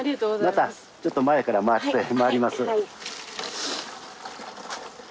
またちょっと前からまわります。